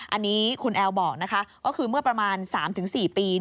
อันนี้คุณแอลบอกนะคะก็คือเมื่อประมาณ๓๔ปี